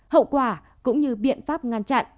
hậu quả cũng như biện pháp ngăn chặn